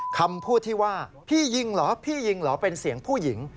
คำพูดที่ว่าพี่ยิงเหรอเป็นเสียงผู้หญิง